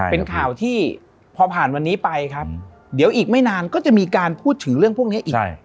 เป็นข่าวที่พอผ่านวันนี้ไปครับเดี๋ยวอีกไม่นานก็จะมีการพูดถึงเรื่องพวกนี้อีก